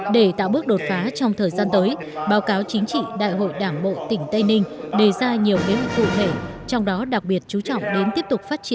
để tạo bước đột phá trong thời gian tới báo cáo chính trị đại hội đảng bộ tỉnh tây ninh đề ra nhiều nếu cụ thể trong đó đặc biệt chú trọng đến tiếp tục